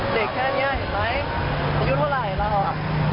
สวัสดีครับ